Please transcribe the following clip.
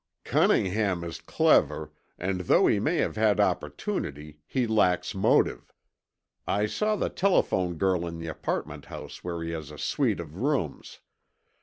"Cunningham is clever, and though he may have had opportunity, he lacks motive. I saw the telephone girl in the apartment house where he has a suite of rooms.